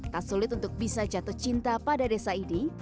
tak sulit untuk bisa jatuh cinta pada desa ini